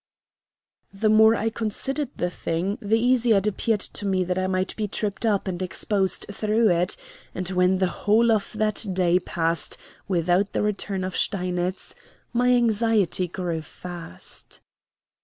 The more I considered the thing the easier it appeared to me that I might be tripped up and exposed through it; and when the whole of that day passed without the return of Steinitz, my anxiety grew fast.